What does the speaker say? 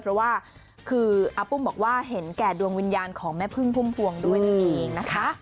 เพราะว่าคืออาปุ้มบอกว่าเห็นแก่ดวงวิญญาณของแม่พึ่งพุ่มพวงด้วยนั่นเองนะคะ